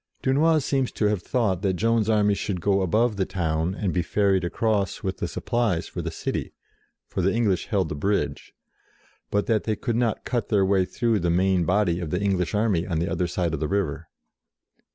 Dunois seems to have thought that Joan's army should go above the town, and be ferried across with the supplies for the city for the English held the bridge but that they could not cut their way through the main body of the English army on the other side of the river.